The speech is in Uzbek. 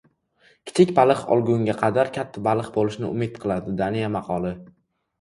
Kichik baliq o‘lgunga qadar katta baliq bo‘lishni umid qiladi. Daniya maqoli